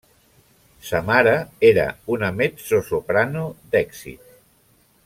Sa mare era una mezzosoprano d'èxit.